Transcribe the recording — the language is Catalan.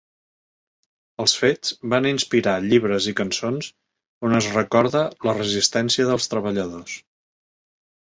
Els fets van inspirar llibres i cançons on es recorda la resistència dels treballadors.